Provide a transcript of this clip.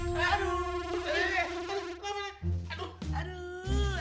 aduh aduh aduh